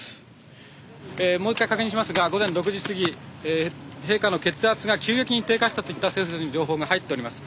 もう一回確認しますが午前６時すぎ陛下の血圧が急激に低下したといった政府筋の情報が入っております。